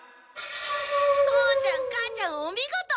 父ちゃん母ちゃんおみごと！